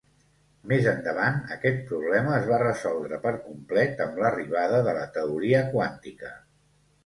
Més endavant aquest problema es va resoldre per complet amb l'arribada de la teoria quàntica.